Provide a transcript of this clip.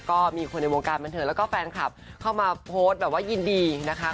ก็มีคนในวงการบันเทิงแล้วก็แฟนคลับเข้ามาโพสต์แบบว่ายินดีนะคะ